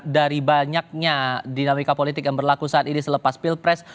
dari banyaknya dinamika politik yang berlaku saat ini selepas pilpres